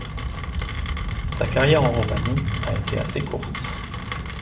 Sa carrière en Roumanie a été assez courte.